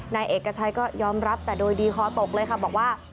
นายเอกชัยก็ยอมรับแต่โดยดีคอตกเลยค่ะบอกว่า